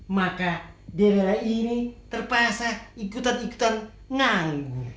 maka dedeira ini terpaksa ikutan ikutan nganggu